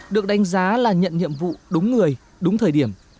được đánh giá là nhận nhiệm vụ đúng người đúng thời điểm